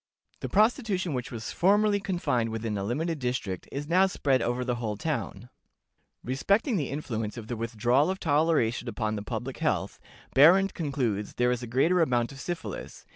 The prostitution which was formerly confined within a limited district is now spread over the whole town." Respecting the influence of the withdrawal of toleration upon the public health, Behrend concludes there is a greater amount of syphilis.